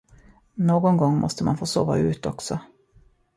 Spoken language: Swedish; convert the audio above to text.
Någon gång måste man få sova ut också.